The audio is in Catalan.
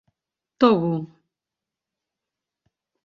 Togo.